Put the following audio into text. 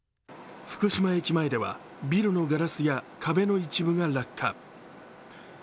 福島駅前ではビルのガラスや壁の一部が落下。